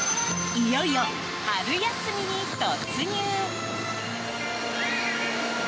いよいよ春休みに突入。